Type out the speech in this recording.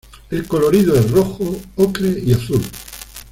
El colorido es rojo, ocre y azul.